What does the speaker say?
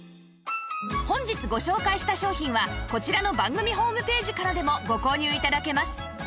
本日ご紹介した商品はこちらの番組ホームページからでもご購入頂けます